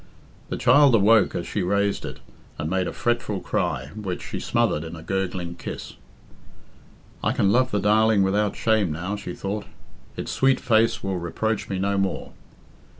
The child awoke as she raised it, and made a fretful cry, which she smothered in a gurgling kiss. "I can love the darling without shame now," she thought. "It's sweet face will reproach me no more."